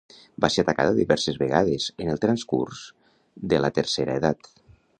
Va ser atacada diverses vegades en el transcurs de la tercera edat.